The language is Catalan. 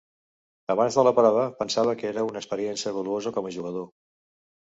Abans de la prova, pensava que era una experiència valuosa com a jugador.